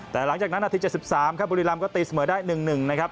แต่หลังจากนั้นนาที๗๓ครับบุรีรำก็ตีเสมอได้๑๑นะครับ